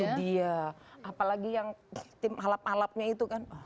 itu dia apalagi yang tim alap alapnya itu kan